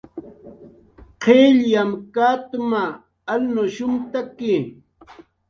qillyam katma, alnushumtaki